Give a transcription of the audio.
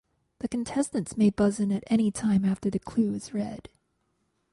The contestants may buzz in at any time after the clue is read.